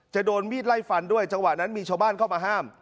จะโดนมีดไล่ฟันด้วยจังหวะนั้นมีชาวบ้านเข้ามาห้าม